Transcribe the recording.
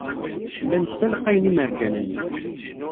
Llan ssalqayen imerjan-nni.